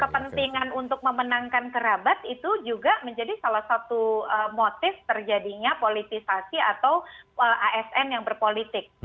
kepentingan untuk memenangkan kerabat itu juga menjadi salah satu motif terjadinya politisasi atau asn yang berpolitik